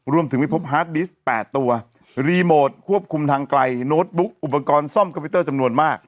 รวมถึงไม่พบแปดตัวรีโมทควบคุมทางไกลโน้ตบุ๊กอุปกรณ์ซ่อมคอมพิวเตอร์จำนวนมาก